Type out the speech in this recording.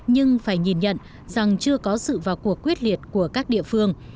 nhưng phải nhìn nhận rằng chưa có sự vào cuộc quyết liệt của các địa phương